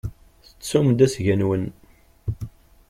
Tettum-d asga-nwen.